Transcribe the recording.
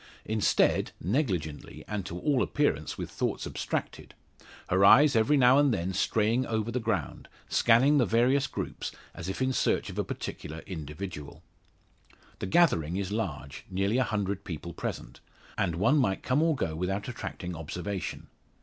Instead, negligently, and to all appearance, with thoughts abstracted; her eyes every now and then straying over the ground, scanning the various groups, as if in search of a particular individual. The gathering is large nearly a hundred people present and one might come or go without attracting observation.